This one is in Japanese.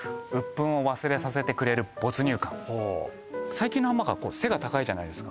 最近のハンバーガー背が高いじゃないですか